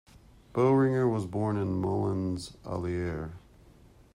Bohringer was born in Moulins, Allier.